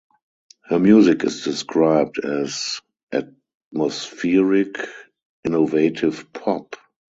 Her music is described as atmospheric innovative pop.